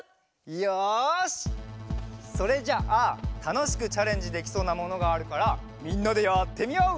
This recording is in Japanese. よしそれじゃあたのしくチャレンジできそうなものがあるからみんなでやってみよう！